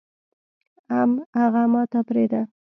حم اغه ماته پرېده.